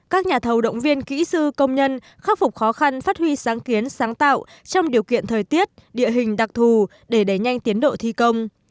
các nhà thầu động viên kỹ sư công nhân khắc phục khó khăn phát huy sáng kiến sáng tạo trong điều kiện thời tiết địa hình đặc thù để đẩy nhanh tiến độ thi công